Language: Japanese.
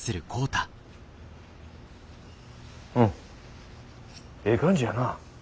うんええ感じやな。